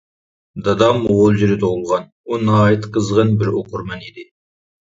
دادام غۇلجىدا تۇغۇلغان، ئۇ ناھايىتى قىزغىن بىر ئوقۇرمەن ئىدى.